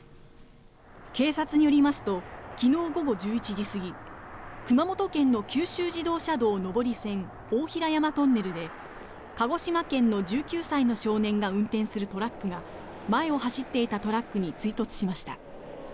警察によりますと昨日午後１１時過ぎ熊本県の九州自動車道上り線大平山トンネルで鹿児島県の１９歳の少年が運転するトラックが前を走っていたトラックに追突しました。